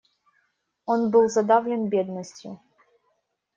Он был задавлен бедностью.